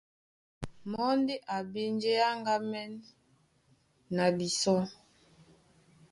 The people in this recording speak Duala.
Mɔ́ ndé a bí njé é áŋgámɛ́n na bisɔ́.